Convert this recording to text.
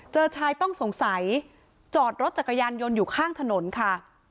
ชายต้องสงสัยจอดรถจักรยานยนต์อยู่ข้างถนนค่ะ